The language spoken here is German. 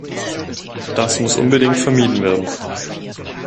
Das muss unbedingt vermieden werden.